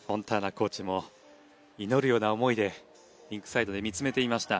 コーチも祈るような思いでリンクサイドで見つめていました。